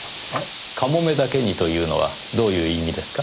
「かもめだけに」というのはどういう意味ですか？